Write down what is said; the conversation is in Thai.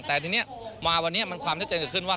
แต่ทีนี้มาวันนี้มันความชัดเจนเกิดขึ้นว่า